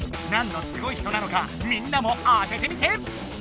何のすごい人なのかみんなも当ててみて。